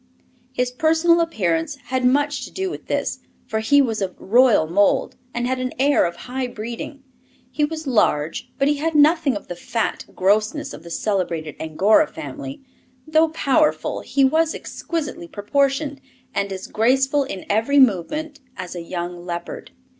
His personal appearance had much to do with this, for he was of royal mould, and had an air of high breeding. He was large, but he had nothing of the fat grossness of the celebrated Angora family; though powerful, he was exquisitely proportioned, and as graceful in every movement as a young leopard.